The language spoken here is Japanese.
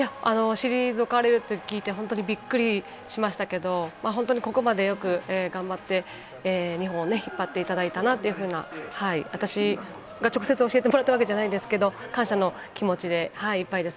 退かれると聞いて本当にびっくりしましたけど、ホントにここまでよく頑張って日本を引っ張っていただいたなというふうな、私が直接教えてもらったわけじゃないですけど、感謝の気持ちでいっぱいです。